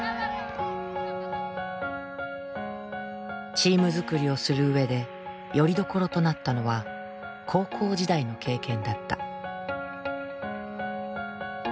チームづくりをする上でよりどころとなったのは高校時代の経験だった。